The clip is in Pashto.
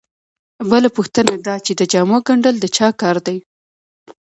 بله پوښتنه دا چې د جامو ګنډل د چا کار دی